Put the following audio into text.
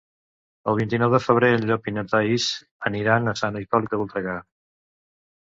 El vint-i-nou de febrer en Llop i na Thaís aniran a Sant Hipòlit de Voltregà.